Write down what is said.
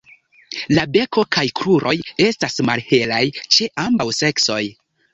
La beko kaj kruroj estas malhelaj ĉe ambaŭ seksoj.